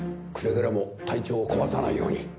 くれぐれも体調を壊さないように。